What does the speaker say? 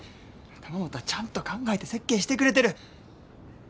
玉本はちゃんと考えて設計してくれてる。